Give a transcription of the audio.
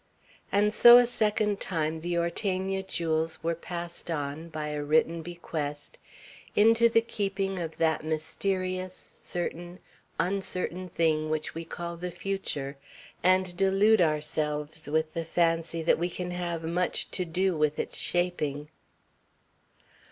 And so a second time the Ortegna jewels were passed on, by a written bequest, into the keeping of that mysterious, certain, uncertain thing we call the future, and delude our selves with the fancy that we can have much to do with its shaping.